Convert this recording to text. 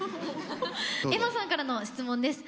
えまさんからの質問です。